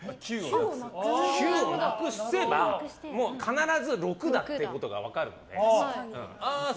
９をなくせば必ず６だっていうことが分かるので。